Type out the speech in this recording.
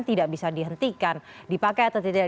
tidak bisa dihentikan dipakai atau tidak